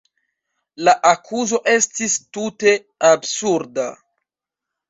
La akuzo estis tute absurda.